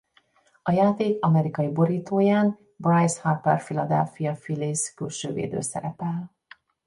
A játék amerikai borítóján Bryce Harper Philadelphia Phillies-külsővédő szerepel.